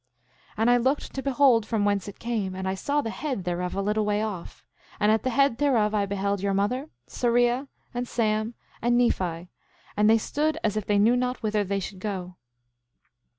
8:14 And I looked to behold from whence it came; and I saw the head thereof a little way off; and at the head thereof I beheld your mother Sariah, and Sam, and Nephi; and they stood as if they knew not whither they should go.